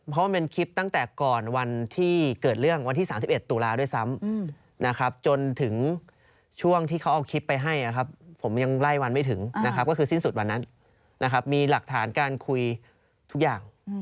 เพราะมันเป็นคลิปตั้งแต่ก่อนวันที่เกิดเรื่องวันที่๓๑ตุลาด้วยซ้ำนะครับจนถึงช่วงที่เขาเอาคลิปไปให้นะครับผมยังไล่วันไม่ถึงนะครับก็คือสิ้นสุดวันนั้นนะครับมีหลักฐานการคุยทุกอย่าง